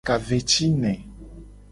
Ka ve ci ne.